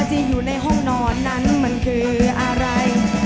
ที่อยู่ในห้องนอนนั้นมันคืออะไร